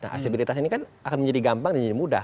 aksesibilitas ini kan akan menjadi gampang dan menjadi mudah